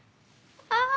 ああ！